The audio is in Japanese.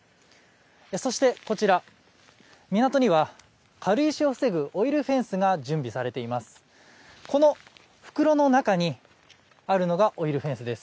そして、こちら、港には軽石を防ぐオイルフェンスが準備されています。